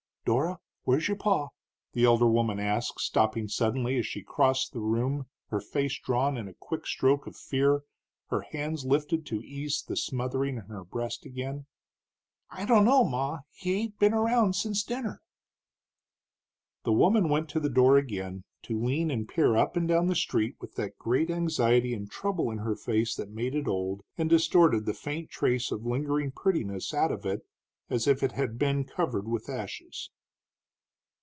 "Dora, where's your pa?" the elder woman asked, stopping suddenly as she crossed the room, her face drawn in a quick stroke of fear, her hands lifted to ease the smothering in her breast again. "I don't know, Ma. He ain't been around since dinner." The woman went to the door again, to lean and peer up and down the street with that great anxiety and trouble in her face that made it old, and distorted the faint trace of lingering prettiness out of it as if it had been covered with ashes.